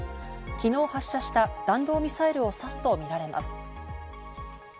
昨日発射した弾道ミサイルを指すとみられます。